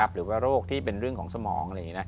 หรือว่าโรคที่เป็นเรื่องของสมอง